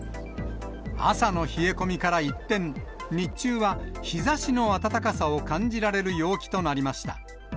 朝の冷え込みから一転、日中は日ざしの暖かさを感じられる陽気となりました。